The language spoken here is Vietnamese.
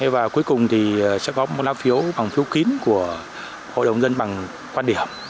và cuối cùng thì sẽ có một lá phiếu bằng phiếu kín của hội đồng dân bằng quan điểm